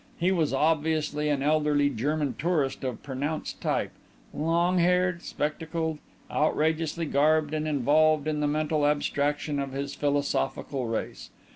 He was obviously an elderly German tourist of pronounced type long haired, spectacled, outrageously garbed and involved in the mental abstraction of his philosophical race.